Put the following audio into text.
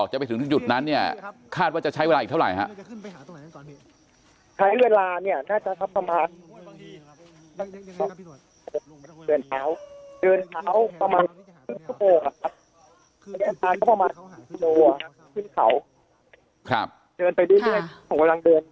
จะไปถึงจุดนั้นเนี่ยคาดว่าจะใช้เวลาอีกเท่าไหร่ฮะ